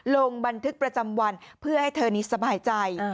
ลงบันทึกประจำวันเพื่อให้เธอนี้สบายใจ